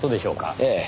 ええ。